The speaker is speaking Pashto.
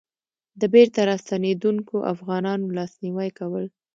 د بېرته راستنېدونکو افغانانو لاسنيوی کول.